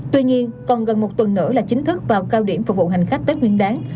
tuy nhiên còn gần một tuần nữa là chính thức vào cao điểm phục vụ hành khách tết nguyên đáng